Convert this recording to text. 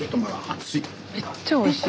めっちゃおいしい！